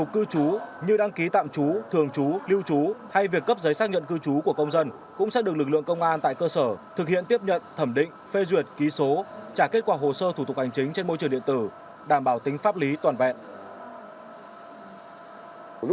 cư trú như đăng ký tạm trú thường trú lưu trú hay việc cấp giấy xác nhận cư trú của công dân cũng sẽ được lực lượng công an tại cơ sở thực hiện tiếp nhận thẩm định phê duyệt ký số trả kết quả hồ sơ thủ tục hành chính trên môi trường điện tử đảm bảo tính pháp lý toàn vẹn